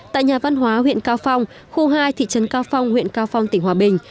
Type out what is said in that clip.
tại nhà văn hóa huyện cao phong khu hai thị trấn cao phong huyện cao phong tỉnh hòa bình